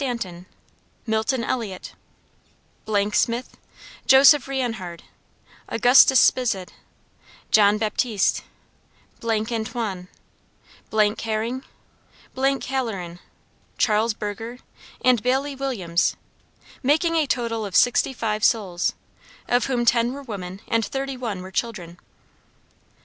Stanton, Milton Elliot, Smith, Joseph Rianhard, Augustus Spized, John Baptiste, Antoine, Herring, Hallerin, Charles Burger, and Baylie Williams, making a total of sixty five souls, of whom ten were women, and thirty one were children.